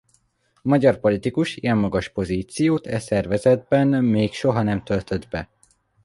Magyar politikus ilyen magas pozíciót e szervezetben még soha nem töltött be.